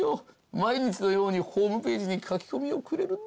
毎日のようにホームページに書き込みをくれるんだからさ。